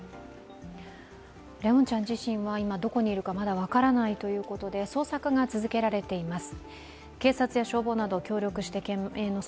怜音ちゃん自身は今、どこにいるか分からないということで捜索が続けられています。